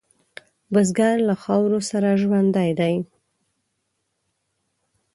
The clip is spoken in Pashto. بزګر له خاورو سره ژوندی دی